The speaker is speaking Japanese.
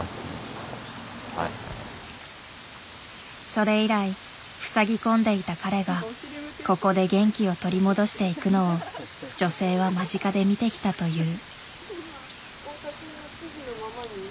それ以来ふさぎ込んでいた彼がここで元気を取り戻していくのを女性は間近で見てきたという。